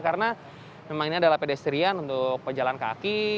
karena memang ini adalah pedestrian untuk pejalan kaki